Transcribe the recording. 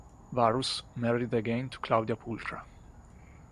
Varus married again to Claudia Pulchra.